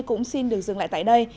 cũng xin được dừng lại tại đây